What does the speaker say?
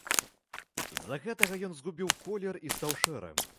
З-за гэтага ён згубіў колер і стаў шэрым.